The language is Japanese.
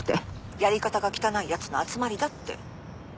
やり方が汚いやつの集まりだって。